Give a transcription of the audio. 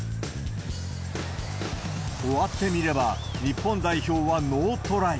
終わってみれば、日本代表はノートライ。